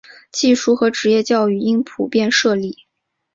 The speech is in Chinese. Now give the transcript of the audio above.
技术和职业教育应普遍设立。